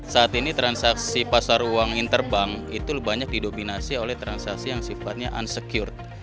saat ini transaksi pasar uang inter bank itu banyak didominasi oleh transaksi yang sifatnya unsecure